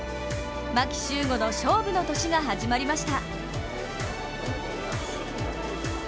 牧秀悟の勝負の年が始まりました。